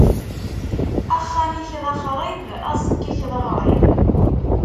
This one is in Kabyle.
Axxam-ik d axṛib, aẓekka-k d aɣrib.